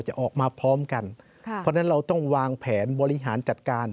จะออกมาพร้อมกันค่ะเพราะฉะนั้นเราต้องวางแผนบริหารจัดการ